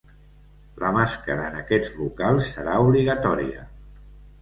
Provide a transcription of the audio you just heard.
La màscara en aquests locals serà obligatòria.